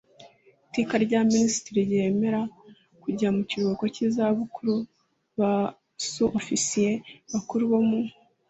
Iteka rya Minisitiri ryemerera kujya mu kiruhuko cy izabukuru ba Su Ofisiye Bakuru bo mu